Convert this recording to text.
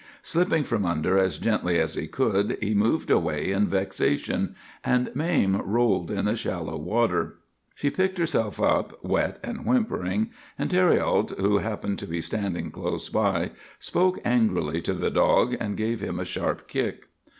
Slipping from under as gently as he could, he moved away in vexation, and Mame rolled in the shallow water. "She picked herself up, wet and whimpering; and Thériault, who happened to be standing close by, spoke angrily to the dog, and gave him a sharp kick.